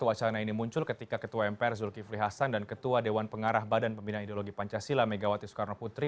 wacana ini muncul ketika ketua mpr zulkifli hasan dan ketua dewan pengarah badan pembinaan ideologi pancasila megawati soekarno putri